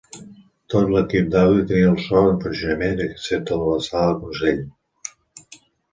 Tot l'equip d'àudio tenia el so en funcionament, excepte a la sala del consell.